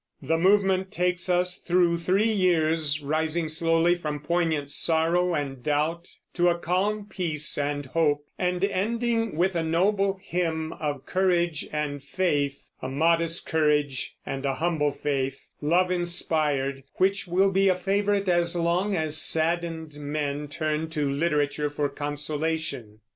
The movement takes us through three years, rising slowly from poignant sorrow and doubt to a calm peace and hope, and ending with a noble hymn of courage and faith, a modest courage and a humble faith, love inspired, which will be a favorite as long as saddened men turn to literature for consolation.